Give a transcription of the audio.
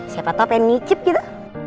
siapa tau pengen nicip gitu